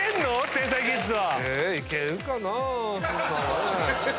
天才キッズは。